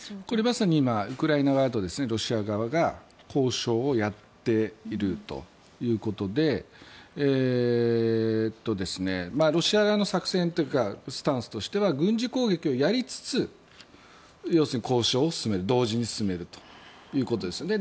これ、まさに今ウクライナ側とロシア側が交渉をやっているということでロシア側の作戦というかスタンスとしては軍事攻撃をやりつつ要するに交渉を同時に進めるということです。